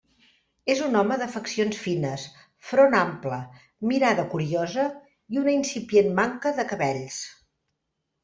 És un home de faccions fines, front ample, mirada curiosa i una incipient manca de cabells.